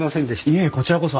いえこちらこそ。